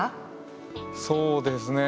そうですね